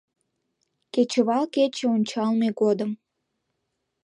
Кечывал кече ончалме годым.